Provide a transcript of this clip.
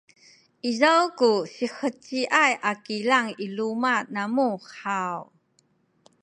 izaw ku siheciay a kilang i luma’ namu haw?